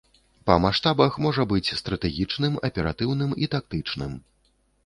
Па маштабах можа быць стратэгічным, аператыўным і тактычным.